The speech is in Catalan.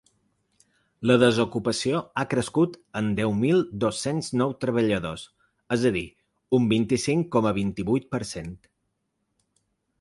La desocupació ha crescut en deu mil dos-cents nou treballadors, és a dir un vint-i-cinc coma vint-i-vuit per cent.